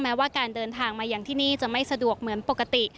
แม้ว่าการเดินทางมาอย่างที่นี่จะไม่สะดวกเหมือนปกติ